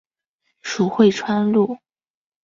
属会川路。